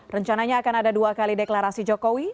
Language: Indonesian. rencananya akan ada dua kali deklarasi jokowi